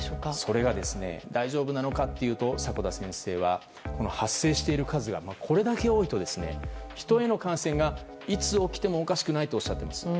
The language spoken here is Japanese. それが大丈夫なのかというと迫田先生は発生している数がこれだけ多いと人への感染がいつ起きてもおかしくないとおっしゃっています。